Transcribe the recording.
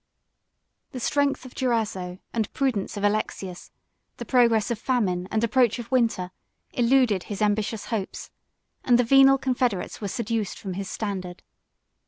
4 The strength of Durazzo, and prudence of Alexius, the progress of famine and approach of winter, eluded his ambitious hopes; and the venal confederates were seduced from his standard.